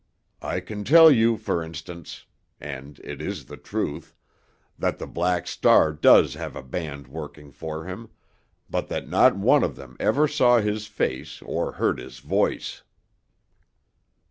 I can tell you, for instance—and it is the truth—that the Black Star does have a band working for him, but that not one of them ever saw his face or heard his voice."